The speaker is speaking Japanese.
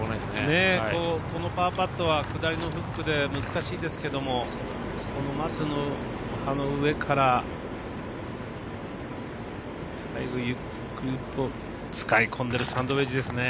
このパーパットは下りのフックでは難しいですけども、松の上から最後ゆっくりと使い込んでるサンドウエッジですね。